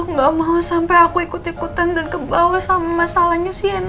aku nggak mau sampe aku ikut ikutan dan kebawa sama masalahnya si ena